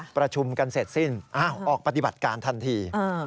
ประชุมกันเสร็จสิ้นออกปฏิบัติการทันที